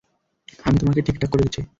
আমি তোমাকে ঠিকঠাক করে দিচ্ছি।